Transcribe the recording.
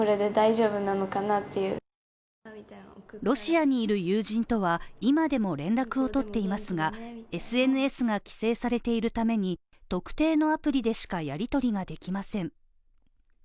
ロシアにいる友人とは今でも連絡を取っていますが、ＳＮＳが規制されているために、特定のアプリでしかやり取りができません。